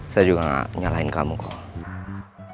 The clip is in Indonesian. saya juga gak nyalahin kamu kok